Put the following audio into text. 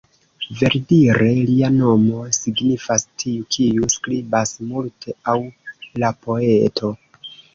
Verdire, lia nomo signifas "tiu kiu skribas multe" aŭ la poeto.